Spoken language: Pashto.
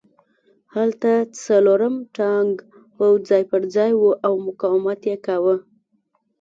هلته څلورم ټانک پوځ ځای پرځای و او مقاومت یې کاوه